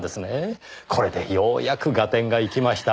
これでようやく合点がいきました。